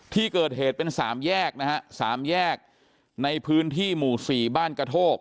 ที่เกิดเหตุเป็นสามแยกนะฮะสามแยกในพื้นที่หมู่๔บ้านกระโทก